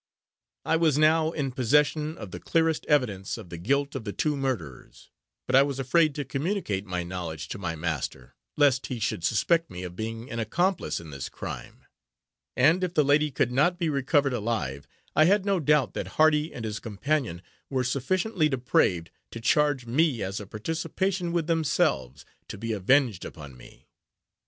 I was now in possession of the clearest evidence of the guilt of the two murderers; but I was afraid to communicate my knowledge to my master, lest he should suspect me of being an accomplice in this crime; and, if the lady could not be recovered alive, I had no doubt that Hardy and his companion were sufficiently depraved to charge me as a participation with themselves, to be avenged upon me.